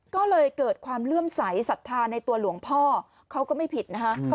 ก็เลยเกิดความเลื่อมใสสัทธาในตัวหลวงพ่อเขาก็ไม่ผิดนะคะ